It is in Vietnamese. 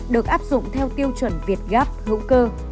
được áp dụng theo tiêu chuẩn việt gáp hữu cơ